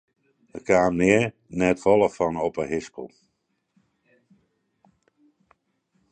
Dêr kaam nea net folle fan op de hispel.